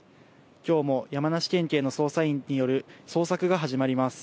きょうも山梨県警の捜査員による捜索が始まります。